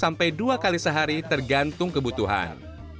sampai dua kali sehari tergantung kebutuhan